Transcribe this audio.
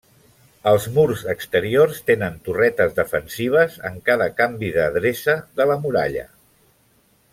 Els murs exteriors tenen torretes defensives en cada canvi d'adreça de la muralla.